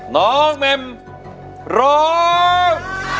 น้องเมมร้อง